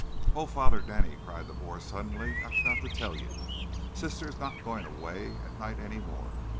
"Oh, Father Denny," cried the boy, suddenly, "I forgot to tell you! Sister is not going away at night any more!